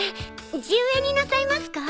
地植えになさいますか？